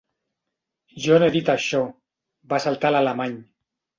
Jo no he dit això —va saltar l'alemany—.